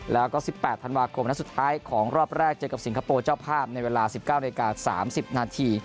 แล้วก็สิบแปดธันวาคมและสุดท้ายของรอบแรกเจอกับสิงคโปร์เจ้าภาพในเวลา๑๙น๓๐น